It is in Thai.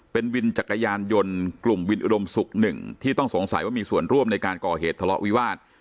เป็นวินจักรยานยนต์กลุ่มวินอุดมศุกร์หนึ่งที่ต้องสงสัยว่ามีส่วนร่วมในการก่อเหตุทะเลาะวิวาส